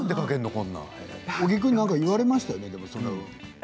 小木君から言われましたよね？